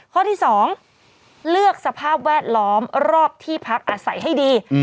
ข้อที่๒เลือกสภาพแวดล้อมรอบที่พักอาศัยให้ดี